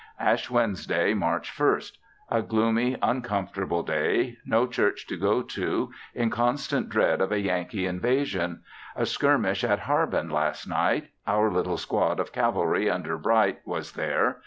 Ash Wednesday, March 1st. A gloomy, uncomfortable day; no church to go to; in constant dread of a Yankee invasion. A skirmish at Harbin last night; our little squad of cavalry under Bright was there.